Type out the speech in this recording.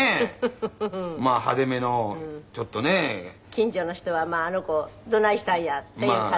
近所の人はあの子どないしたんやっていう感じ？